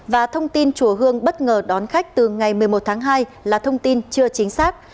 và thông tin chùa hương bất ngờ đón khách từ ngày một mươi một tháng hai là thông tin chưa chính xác